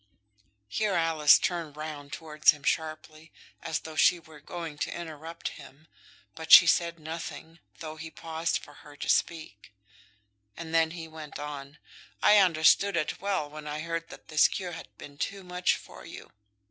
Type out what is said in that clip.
Here Alice turned round towards him sharply, as though she were going to interrupt him, but she said nothing, though he paused for her to speak; and then he went on. "And I understood it well when I heard that this cure had been too much for you.